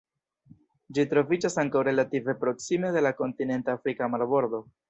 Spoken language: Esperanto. Ĝi troviĝas ankaŭ relative proksime de la kontinenta afrika marbordo.